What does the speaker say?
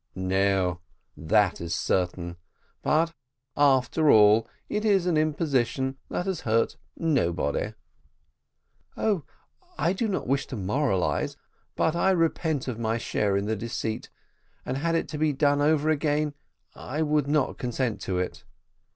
"No, that is certain; but after all, it is an imposition that has hurt nobody." "Oh, I do not wish to moralise but I repent of my share in the deceit; and had it to be done over again I would not consent to it."